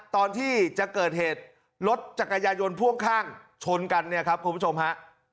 ตอนที่จะเกิดเหตุรถจักรยายนพ่วงข้างชนกันเนี่ยครับคุณผู้ชมฮะ